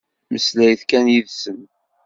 Mmeslayet kan yid-sen.